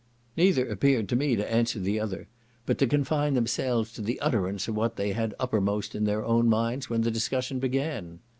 Neither appeared to me to answer the other; but to confine themselves to the utterance of what they had uppermost in their own minds when the discussion began.